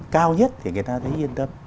cao nhất thì người ta thấy yên tâm